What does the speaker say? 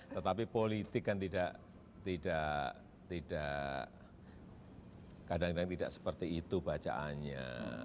tetapi politik kan tidak kadang kadang tidak seperti itu bacaannya